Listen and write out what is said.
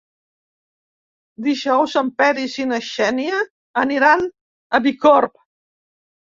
Dijous en Peris i na Xènia aniran a Bicorb.